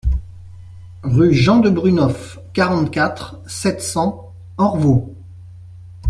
Rue Jean de Brunhoff, quarante-quatre, sept cents Orvault